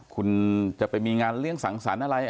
คุณจะไปมีงานเรียนสั่งสรรค่ะ